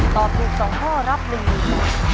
ตอบถูก๒ข้อรับ๑๐๐๐บาท